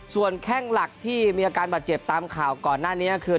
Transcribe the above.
ส่วนแข้งหลักที่มีอาการบาดเจ็บตามข่าวก่อนหน้านี้ก็คือ